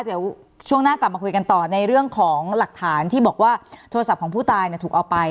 เดี๋ยวช่วงหน้ากลับมาคุยกันต่อในเรื่องของหลักฐานที่บอกว่าโทรศัพท์ของผู้ตายถูกเอาไป